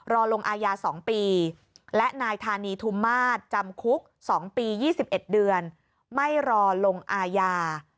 รอลงอาญา๒ปีและนายธานีทุมมาตรจำคุก๒ปี๒๑เดือนไม่รอลงอาญา